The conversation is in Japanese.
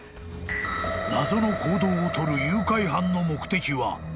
［謎の行動を取る誘拐犯の目的は？］